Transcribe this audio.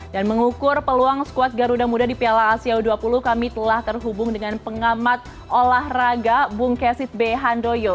dan mengukur peluang squad garuda muda di piala asia u dua puluh kami telah terhubung dengan pengamat olahraga bung kesit behandoyo